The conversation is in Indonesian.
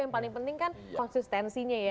yang paling penting kan konsistensinya ya